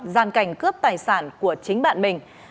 gian cảnh cướp tài sản của chính bạn mình